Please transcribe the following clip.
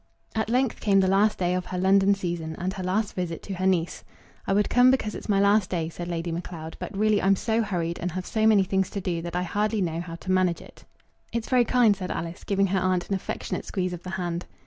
At length came the last day of her London season, and her last visit to her niece. "I would come because it's my last day," said Lady Macleod; "but really I'm so hurried, and have so many things to do, that I hardly know how to manage it." "It's very kind," said Alice, giving her aunt an affectionate squeeze of the hand.